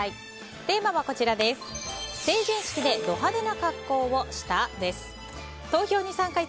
テーマは成人式でド派手な格好をした？。